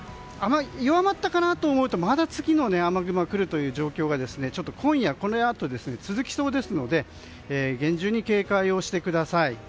弱まったかなと思うとまた次の雨雲が来る状況が今夜、このあと続きそうですので厳重に警戒をしてください。